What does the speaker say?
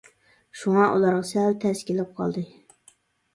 شۇڭا ئۇلارغا سەل تەس كېلىپ قالدى.